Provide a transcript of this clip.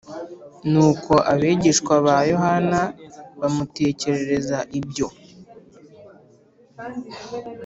Nuko abigishwa ba Yohana bamutekerereza ibyo